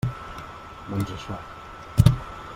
Doncs això.